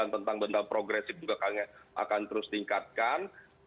tentang benda progresif juga kami akan terus tingkatkan